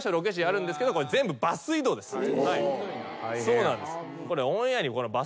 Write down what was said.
そうなんです。